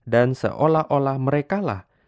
dan seolah olah merekalah